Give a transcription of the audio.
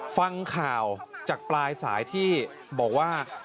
ฟังข่าวจากปลายสายที่บอกว่า